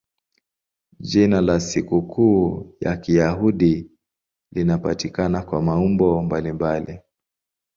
Jina la sikukuu ya Kiyahudi linapatikana kwa maumbo mbalimbali.